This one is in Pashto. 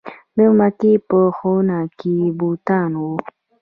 د مکې په خونه کې بوتان وو.